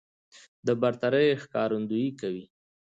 د برترۍ ښکارندويي کوي